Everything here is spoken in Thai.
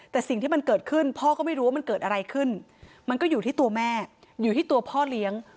แต่สิ่งที่มันเกิดขึ้นพ่อก็ไม่รู้ว่ามันเกิดอะไรขึ้นมันก็อยู่ที่ตัวแม่อยู่ที่ตัวพ่อเลี้ยง